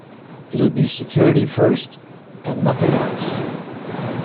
It'll be security first-and nothing else.